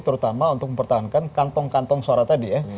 terutama untuk mempertahankan kantong kantong suara tadi ya